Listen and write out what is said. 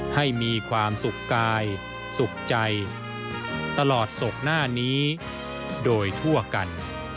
ให้มีความสุขกายสุขใจตลอดศกหน้านี้โดยทั่วกัน